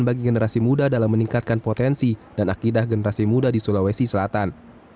bagi generasi muda dalam meningkatkan potensi dan akidah generasi muda di sulawesi selatan